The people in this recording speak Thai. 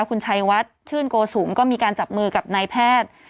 คุณชัยวัดชื่นโกสุมก็มีการจับมือกับนายแพทย์